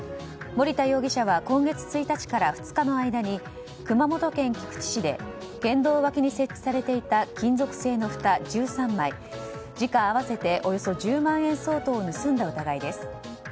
森田容疑者は今月１日から２日の間に熊本県菊池市で県道脇に設置されていた金属製のふた１３枚時価合わせておよそ１０万円相当を盗んだ疑いです。